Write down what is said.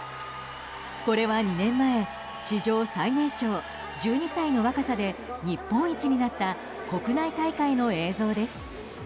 これは２年前史上最年少１２歳の若さで日本一になった国内大会の映像です。